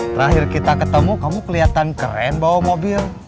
terakhir kita ketemu kamu kelihatan keren bawa mobil